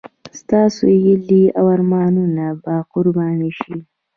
ستاسو هیلې او ارمانونه به قرباني شي.